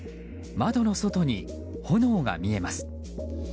窓の外に炎が見えます。